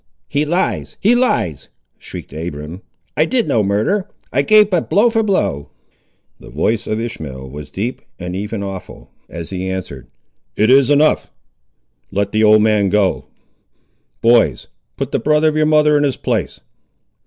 "He lies! he lies!" shrieked Abiram. "I did no murder; I gave but blow for blow." The voice of Ishmael was deep, and even awful, as he answered— "It is enough. Let the old man go. Boys, put the brother of your mother in his place."